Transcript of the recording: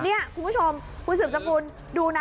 นี่นี่คุณผู้ชมกลุ่นเสืบสกุลดูนะ